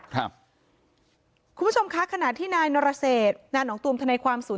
คุณผู้ชมคะขณะที่นายนรเศษนานองตูมธนายความศูนย